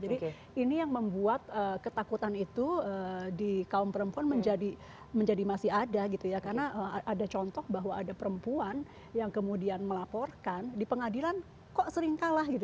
jadi ini yang membuat ketakutan itu di kaum perempuan menjadi menjadi masih ada gitu ya karena ada contoh bahwa ada perempuan yang kemudian melaporkan di pengadilan kok sering kalah gitu